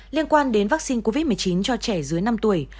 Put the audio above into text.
liên quan đến vaccine covid một mươi chín cho trẻ dưới năm tuổi